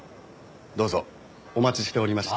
どうぞお待ちしておりました。